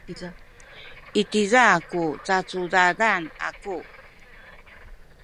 i tiza ku cacudadan aku.